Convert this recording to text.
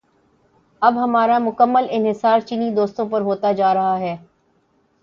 اب ہمارا مکمل انحصار چینی دوستوں پہ ہوتا جا رہا ہے۔